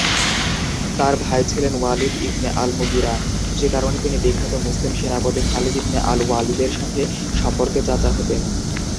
তার ভাই ছিলেন ওয়ালিদ ইবনে আল-মুগিরা, যে কারণে তিনি বিখ্যাত মুসলিম সেনাপতি খালিদ ইবনে আল-ওয়ালিদের সাথে সম্পর্কে চাচা হতেন।